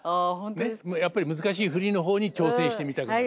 やっぱり難しい振りの方に挑戦してみたくなる。